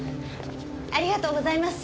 ありがとうございます。